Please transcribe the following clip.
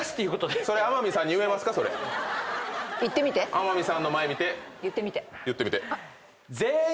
天海さんの前言ってみて。